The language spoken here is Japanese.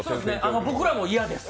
僕らも嫌です。